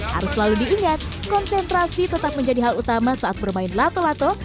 harus selalu diingat konsentrasi tetap menjadi hal utama saat bermain lato lato